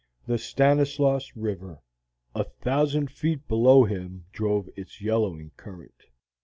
The Stanislaus River! A thousand feet below him drove its yellowing current.